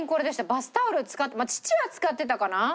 バスタオルまあ父は使ってたかな？